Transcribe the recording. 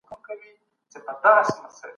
کوم هیواد غواړي امنیت نور هم پراخ کړي؟